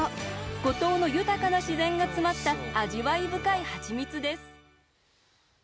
五島の豊かな自然が詰まった味わい深いハチミツです。